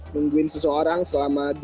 nungguin seseorang selama dua minggu